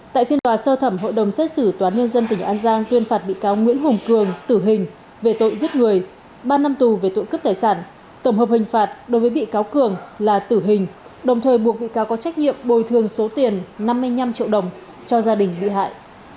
tại phiên tòa sơ thẩm hội đồng xét xử toán nhân dân tỉnh an giang tuyên phạt bị cáo nguyễn hùng cường tử hình về tội giết người ba năm tù về tội cướp tài sản tổng hợp hình phạt đối với bị cáo cường là tử hình đồng thời buộc bị cáo có trách nhiệm bồi thường số tiền năm mươi năm triệu đồng cho gia đình bị hại